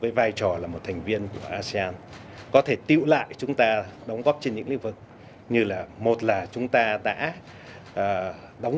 vượt qua nhiều thăng trầm asean đã vươn lên từ một cộng đồng đoàn kết vững mạnh gồm một mươi nước đông nam á hoạt động